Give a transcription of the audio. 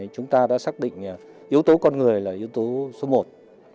chúng ta đã xác định yếu tố con người là yếu tố số một